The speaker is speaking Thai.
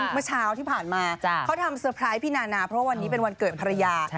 เมื่อเช้าที่ผ่านมาเขาทำเตอร์ไพรส์พี่นานาเพราะวันนี้เป็นวันเกิดภรรยา